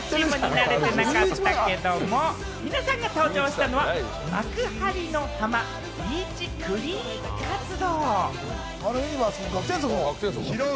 ちょっとＯＮＥＴＥＡＭになれてなかったけれども、皆さんが登場したのは、幕張の浜ビーチクリーン活動。